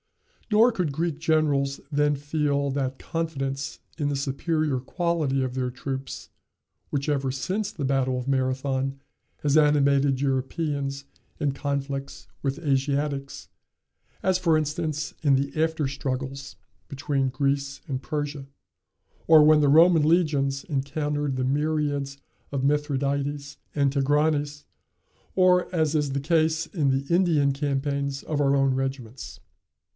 Nor could Greek generals then feel that confidence in the superior quality of their troops, which ever since the battle of Marathon has animated Europeans in conflicts with Asiatics, as, for instance, in the after struggles between Greece and Persia, or when the Roman legions encountered the myriads of Mithradates and Tigranes, or as is the case in the Indian campaigns of our own regiments.